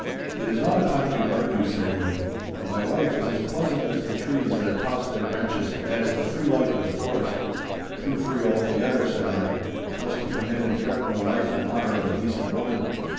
'It is not a time to argue,' said he, 'but my life is as pleasant as the trees that toss their branches, and as the free life of the forest.' 'Too free altogether,' said I, 'thus to come in and threaten the life and honour of a decent woman.